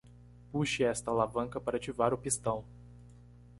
Puxe esta alavanca para ativar o pistão.